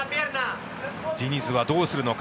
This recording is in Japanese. ディニズはどうするのか。